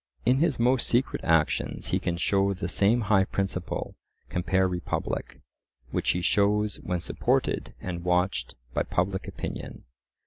In his most secret actions he can show the same high principle (compare Republic) which he shows when supported and watched by public opinion.